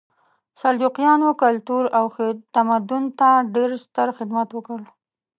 سلجوقیانو کلتور او تمدن ته ډېر ستر خدمت وکړ.